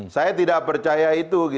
saya tidak percaya itu